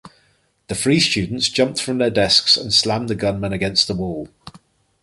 The three students jumped from their desks and slammed the gunman against the wall.